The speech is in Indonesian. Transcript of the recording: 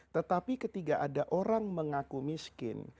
tetapi ketika ada orang mengaku miskin